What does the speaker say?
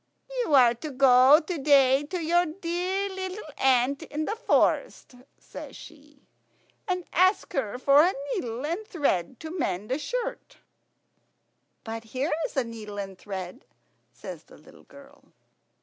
"You are to go to day to your dear little aunt in the forest," says she, "and ask her for a needle and thread to mend a shirt." "But here is a needle and thread," says the little girl.